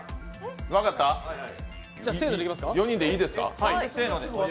４人でいいですか。